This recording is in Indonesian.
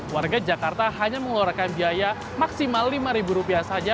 warga jakarta hanya mengeluarkan biaya maksimal rp lima saja